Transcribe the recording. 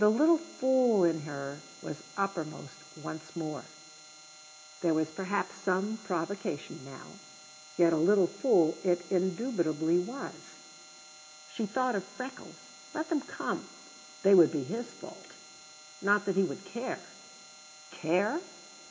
The little fool in her was uppermost once more. There was perhaps some provocation now. Yet a little fool it indubitably was. She thought of freckles. Let them come. They would be his fault. Not that he would care. Care!